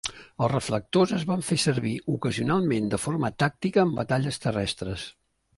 Els reflectors es van fer servir ocasionalment de forma tàctica en batalles terrestres.